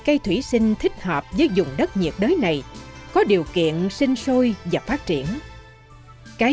cây thủy sinh thích hợp với dùng đất nhiệt đới này có điều kiện sinh sôi và phát triển cái